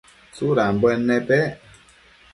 Tsudambuen nepec ?